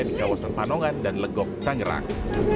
di kawasan panongan dan legok tangerang